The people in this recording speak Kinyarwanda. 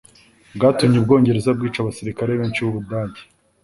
bwatumye u Bwongereza bwica abasirikare benshi b'u Budage.